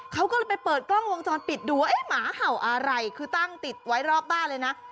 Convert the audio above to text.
เขาก็เลยไปเปิดกล้องวงจรปิดดูว่าเอ๊ะหมาเห่าอะไรคือตั้งติดไว้รอบบ้านเลยนะ